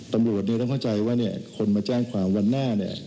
ตำรวจเนี่ยต้องเข้าใจว่าเนี่ยคนมาจ้างความวันหน้าเนี่ย